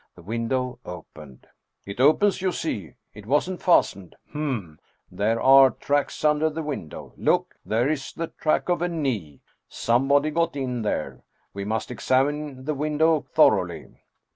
The window opened. " It opens, you see ! It wasn't fastened. Hm ! There are tracks under the window. Look! There is the track of a knee ! Somebody got in there. We must examine the window thoroughly."